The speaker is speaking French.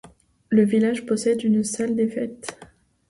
Le village possède une salle des fêtes.